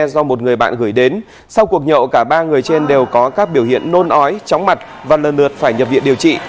do một người bạn gửi đến sau cuộc nhậu cả ba người trên đều có các biểu hiện nôn ói chóng mặt và lần lượt phải nhập viện điều trị